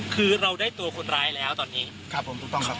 คือเราได้ตัวคนร้ายแล้วตอนนี้ครับผมถูกต้องครับ